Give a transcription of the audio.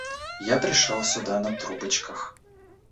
Я пришёл сюда на трубочках.